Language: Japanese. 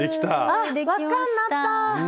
あっ輪っかになった！